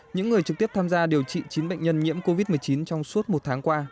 những người trực tiếp tham gia điều trị chín bệnh nhân nhiễm covid một mươi chín trong suốt một tháng qua